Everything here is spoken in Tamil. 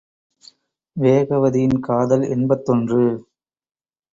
வேகவதியின் காதல் எண்பத்தொன்று.